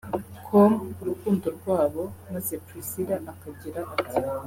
com ku rukundo rwabo maze Priscillah akagira ati